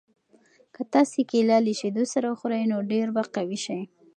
که تاسي کیله له شیدو سره وخورئ نو ډېر به قوي شئ.